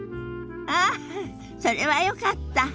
ああそれはよかった。